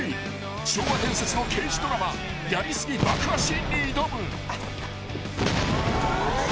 ［昭和伝説の刑事ドラマやり過ぎ爆破シーンに挑む］